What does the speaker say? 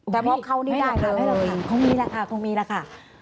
แต่เพราะเขานี่ได้เลยคงมีล่ะค่ะคงมีล่ะค่ะ